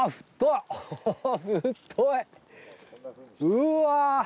うわ！